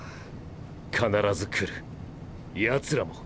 必ず来るヤツらも。